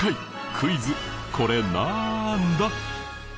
クイズこれなんだ？